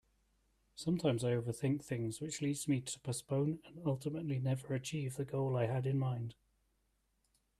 Sometimes I overthink things which leads me to postpone and ultimately never achieve the goal I had in mind.